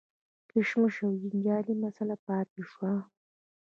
کشمیر یوه جنجالي مسله پاتې شوه.